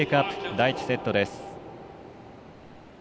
第１セットです。